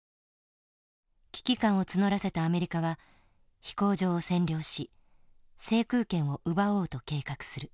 危機感を募らせたアメリカは飛行場を占領し制空権を奪おうと計画する。